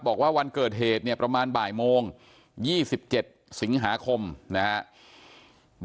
บอกว่าวันเกิดเหตุเนี่ยประมาณบ่ายโมง๒๗สิงหาคมนะครับ